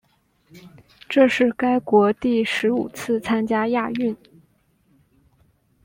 这是该国第十五次参加亚运。